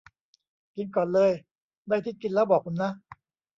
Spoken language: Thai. กินก่อนเลย ได้ที่กินแล้วบอกผมนะ